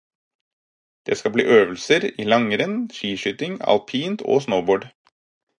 Det skal bli øvelser i langrenn, skiskyting, alpint og snowboard.